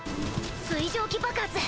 水蒸気爆発！